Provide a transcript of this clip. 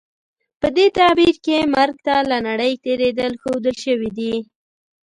په دې تعبیر کې مرګ ته له نړۍ تېرېدل ښودل شوي.